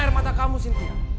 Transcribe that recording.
bukan air mata kamu sinti